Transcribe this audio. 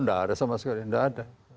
tidak ada sama sekali tidak ada